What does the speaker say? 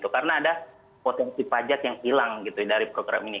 karena ada potensi pajak yang hilang dari program ini